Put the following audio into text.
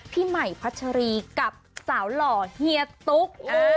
พี่ใหม่พัชรีกับสาวหล่อเฮียตุ๊ก